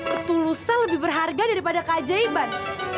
ketulusan lebih berharga daripada kajaiban